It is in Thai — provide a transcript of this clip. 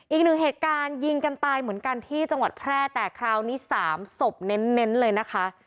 อีกหนึ่งเหตุการณ์ยิงกันตายเหมือนกันที่จังหวัดแพร่แต่คราวนี้๓ศพเน้นเลยนะคะ